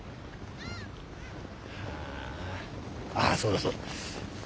ああそうだそうだ。